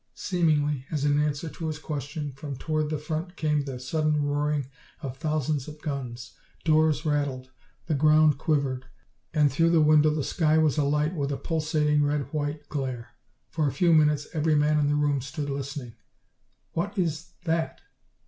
Seemingly, as in answer to his question, from toward the front came the sudden roaring of thousands of guns. Doors rattled, the ground quivered, and through the window the sky was alight with a pulsating red white glare. For a few minutes every man in the room stood listening. "What is that?"